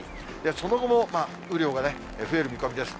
その後も雨量が増える見込みです。